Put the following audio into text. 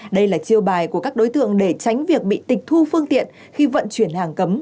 đây là chiêu bài của các đối tượng để tránh việc bị tịch thu phương tiện khi vận chuyển hàng cấm